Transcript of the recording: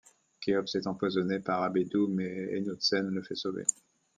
Khéops est empoisonné par Abedou mais Henoutsen le fait sauver.